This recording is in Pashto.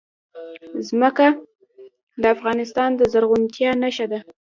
ځمکه د افغانستان د زرغونتیا نښه ده.